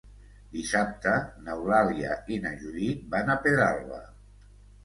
Dissabte n'Eulàlia i na Judit van a Pedralba.